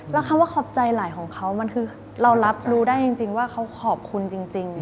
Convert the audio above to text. แล้วคำว่าขอบใจหลายของเขามันคือเรารับรู้ได้จริงว่าเขาขอบคุณจริง